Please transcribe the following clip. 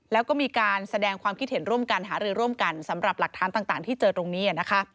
แล้วก็มีการแสดงความคิดเห็นร่วมกันหารือร่วมกันสำหรับหลักฐานต่างที่เจอตรงนี้นะคะ